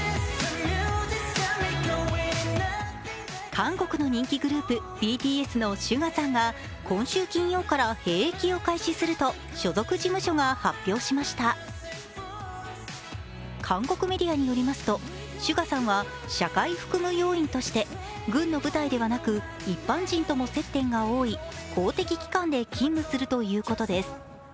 韓国の人気グループ、ＢＴＳのＳＵＧＡさんが韓国メディアに寄りますとＳＵＧＡさんは社会服務要員として、軍の部隊ではなく一般人とも接点が多い公的機関で勤務するということです。